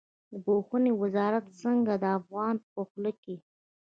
د پوهنې وزارت څنګ ته د ده افغانان په خوله کې.